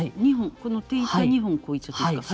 この手板２本こういっちゃっていいですか。